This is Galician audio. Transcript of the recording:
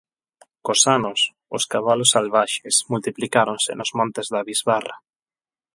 Cos anos, os cabalos salvaxes multiplicáronse nos montes da bisbarra.